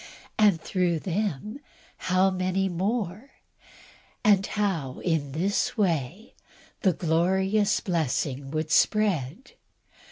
and, through them, how many more? and how, in this way, the glorious blessing would spread?